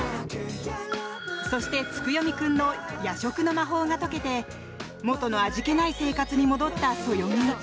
そして、月読君の夜食の魔法が解けて元の味気ない生活に戻ったそよぎ。